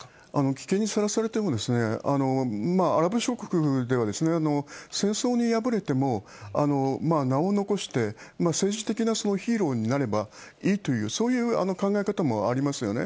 危険にさらされても、アラブ諸国では、戦争に敗れても、名を残して、政治的なヒーローになればいいという、そういう考え方もありますよね。